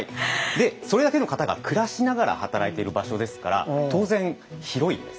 でそれだけの方が暮らしながら働いてる場所ですから当然広いんです。